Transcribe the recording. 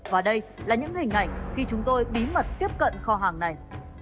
và đây là những hình ảnh khi chúng tôi bí mật tiếp cận kho hàng này